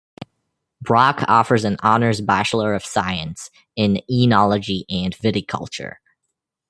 Brock offers an Honours Bachelor of Science in Oenology and Viticulture.